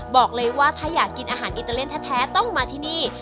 บอกเลยว่าถ้าอยากกินอาหารอิตาเลียนแท้ต้องมาที่นี่